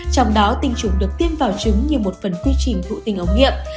trong đó tinh trùng được tiêm vào trứng như một phần quy trình thụ tinh ống nghiệp